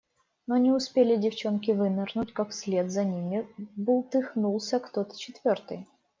Но не успели девчонки вынырнуть, как вслед за ними бултыхнулся кто-то четвертый.